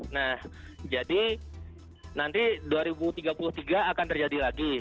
nah jadi nanti dua ribu tiga puluh tiga akan terjadi lagi